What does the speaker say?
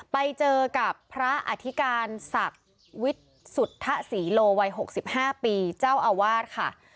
ไปเจอกับพระอธิการศักดิ์วิทย์สุทธศรีโลวัย๖๕ปีเจ้าอาวาสค่ะ